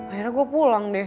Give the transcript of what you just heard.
akhirnya gue pulang deh